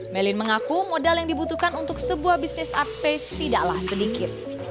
melin mengaku modal yang dibutuhkan untuk sebuah bisnis art space tidaklah sedikit